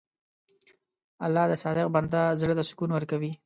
الله د صادق بنده زړه ته سکون ورکوي.